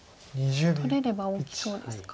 取れれば大きそうですか。